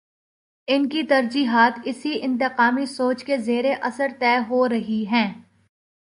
ان کی ترجیحات اسی انتقامی سوچ کے زیر اثر طے ہو رہی ہیں۔